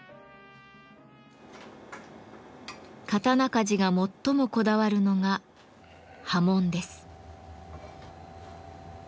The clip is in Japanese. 刀鍛冶が最もこだわるのが刃文です。